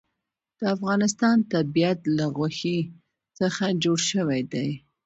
د افغانستان طبیعت له غوښې څخه جوړ شوی دی.